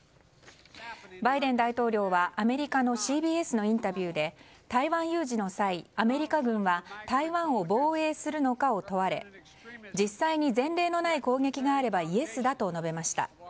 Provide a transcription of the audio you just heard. バイデン大統領は、アメリカのＣＢＳのインタビューで台湾有事の際、アメリカ軍は台湾を防衛するのかを問われ実際に前例のない攻撃があればイエスだと述べました。